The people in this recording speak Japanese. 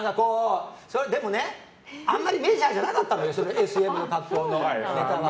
でもね、あんまりメジャーじゃなかったんですよＳＭの格好のネタは。